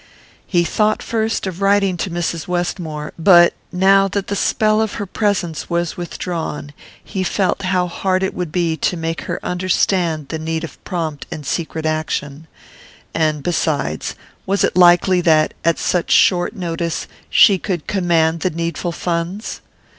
He thought first of writing to Mrs. Westmore;, but now that the spell of her presence was withdrawn he felt how hard it would be to make her understand the need of prompt and secret action; and besides, was it likely that, at such short notice, she could command the needful funds?